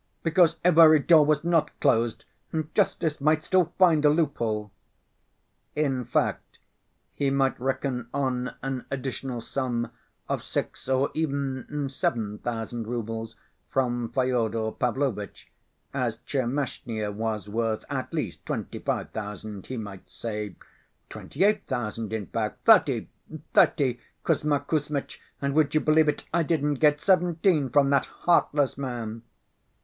"because every door was not closed and justice might still find a loophole." In fact, he might reckon on an additional sum of six or even seven thousand roubles from Fyodor Pavlovitch, as Tchermashnya was worth, at least, twenty‐five thousand, he might say twenty‐eight thousand, in fact, "thirty, thirty, Kuzma Kuzmitch, and would you believe it, I didn't get seventeen from that heartless man!"